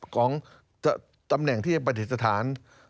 ของตำแหน่งที่เป็นเหตุฐาน